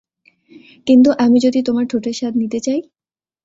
কিন্তু আমি যদি তোমার ঠোঁটের স্বাদ নিতে চাই?